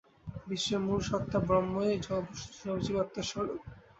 বিশ্বের মূল সত্তা ব্রহ্মই সব জীবাত্মার স্বরূপ।